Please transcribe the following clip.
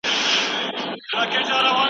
لړم 🦂